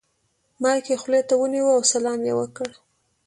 مایک یې خولې ته ونیو او سلام یې وکړ.